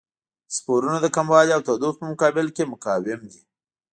سپورونه د کموالي او تودوخې په مقابل کې مقاوم دي.